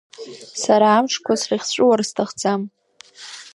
Сара амшқәа срыхьҵәыуар сҭахӡам…